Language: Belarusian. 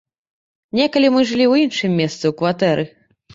Некалі мы жылі ў іншым месцы, у кватэры.